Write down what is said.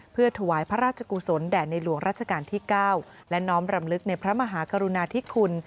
เพื่อถวายพระราชกุศลแด่ในหลวงราชการที่๙และน้อมรำลึกในพระมหากรุณาธิคุณ